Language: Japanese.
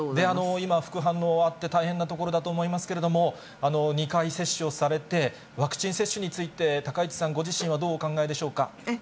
今副反応あって、大変なところだと思いますけれども、２回接種をされて、ワクチン接種について、高市さんご自身はどうお考えでしょうか。